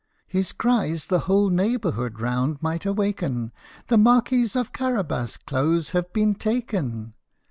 " His cries the whole neighbourhood round might awaken " The Marquis of Carabas' clothes have been taken